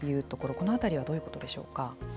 このあたりはどういうことでしょうか。